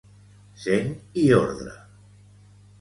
Seny i ordre.